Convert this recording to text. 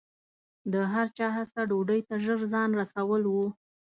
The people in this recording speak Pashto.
د هر چا هڅه ډوډۍ ته ژر ځان رسول و.